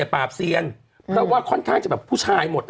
อันคารที่ผ่านมานี่เองไม่กี่วันนี่เอง